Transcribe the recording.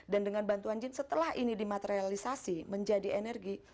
dengan bantuan jin setelah ini dimaterialisasi menjadi energi